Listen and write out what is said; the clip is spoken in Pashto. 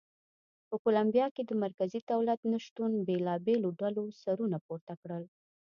په کولمبیا کې د مرکزي دولت نه شتون بېلابېلو ډلو سرونه پورته کړل.